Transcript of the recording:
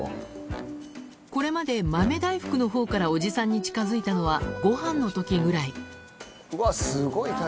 これまで豆大福のほうからおじさんに近づいたのはごはんの時ぐらいうわすごい体勢。